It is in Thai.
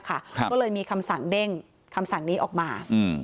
ก็เลยมีคำสั่งเด้งคำสั่งนี้ออกมา